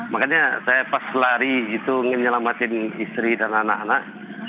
makanya saya pas lari gitu nyelamatin istri dan anak anak